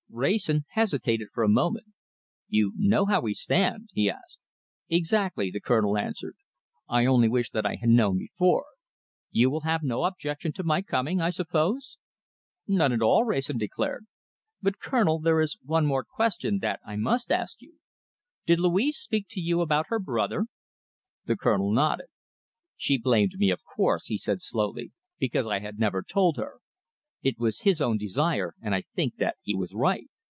Wrayson hesitated for a moment. "You know how we stand?" he asked. "Exactly," the Colonel answered. "I only wish that I had known before. You will have no objection to my coming, I suppose?" "None at all," Wrayson declared. "But, Colonel! there is one more question that I must ask you. Did Louise speak to you about her brother?" The Colonel nodded. "She blamed me, of course," he said slowly, "because I had never told her. It was his own desire, and I think that he was right.